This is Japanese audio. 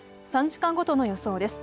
３時間ごとの予想です。